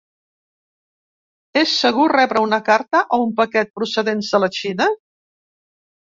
És segur rebre una carta o un paquet procedents de la Xina?